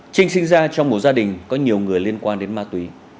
trinh sinh ra trong một gia đình có nhiều người liên quan đến ma túy